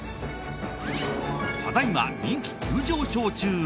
ただいま人気急上昇中！